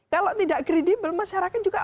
kalau tidak kredibel masyarakat juga